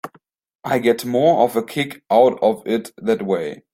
I get more of a kick out of it that way.